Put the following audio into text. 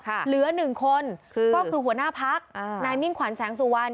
แล้วเหลืออย่างหนึ่งคนคือหัวหน้าพลักษณ์นายมิ่งขวัญแสงสู่วัน